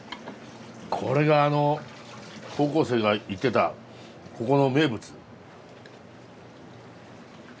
これがあの高校生が言ってたここの名物。